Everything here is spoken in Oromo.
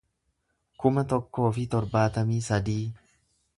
kuma tokkoo fi torbaatamii sadii